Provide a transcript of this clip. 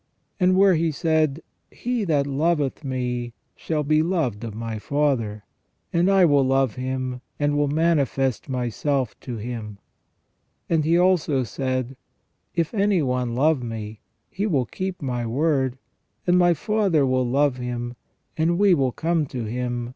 And where He said :" He that loveth Me shall be loved of My Father : and I will love him, and will manifest Myself to him ". As He also said :" If any one love Me, he will keep My word, and My Father will love him, and We will come to him, 26 402 FROM THE BEGINNING TO THE END OF MAN.